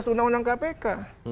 lima belas undang undang kpk